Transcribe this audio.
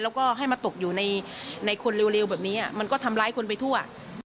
แล้วก็ให้มาตกอยู่ในคนเร็วแบบนี้มันก็ทำร้ายคนไปทั่ว